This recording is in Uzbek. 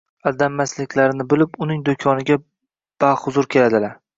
aldanmasliklarini bilib, uning do'koniga baxuzur keladilar.